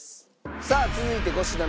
さあ続いて５品目。